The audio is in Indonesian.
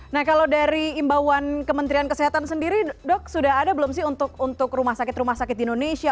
nah kalau dari imbauan kementerian kesehatan sendiri dok sudah ada belum sih untuk rumah sakit rumah sakit di indonesia